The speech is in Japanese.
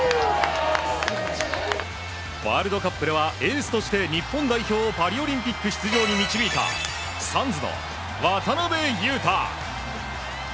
ワールドカップではエースとして日本代表をパリオリンピック出場に導いたサンズの渡邊雄太。